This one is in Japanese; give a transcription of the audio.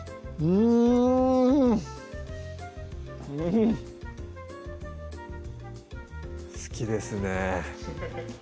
うん好きですね